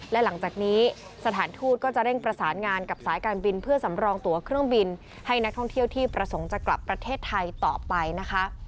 และหลังจากนี้สถานทูตก็จะเร่งประสานงานกับสายการบินเพื่อสำรองตัวเครื่องบินให้นักท่องเที่ยวที่ประสงค์จะกลับประเทศไทยต่อไปนะคะ